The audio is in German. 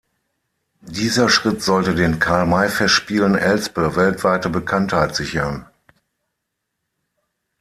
Dieser Schritt sollte den Karl-May-Festspielen Elspe weltweite Bekanntheit sichern.